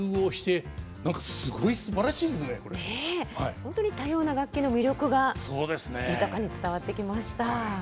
本当に多様な楽器の魅力が豊かに伝わってきました。